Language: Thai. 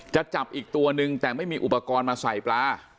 จะจับอีกตัวนึงแต่ไม่มีอุปกรณ์มาใส่ปลา